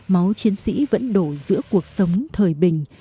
máu chiến sĩ vẫn đổ giữa cuộc sống thời bình